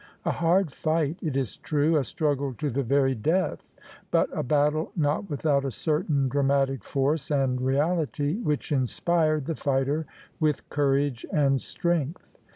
A hard fight, it is true — a, struggle to the very death : but a battle not without a certain dramatic force and reality which inspired the fighter with courage and strength.